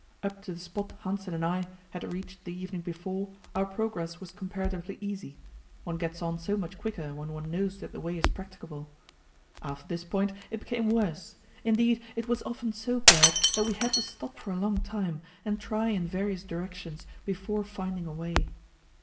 Up to the spot Hanssen and I had reached the evening before our progress was comparatively easy; one gets on so much quicker when one knows that the way is practicable. After this point it became worse; indeed, it was often so bad that we had to stop for a long time and try in various directions, before finding a way.